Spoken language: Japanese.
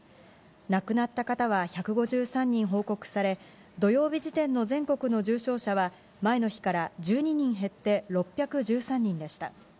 亡くなった方は１５３人報告され、土曜日時点の全国の重症者は前の日から１２人減って、６１３人でした。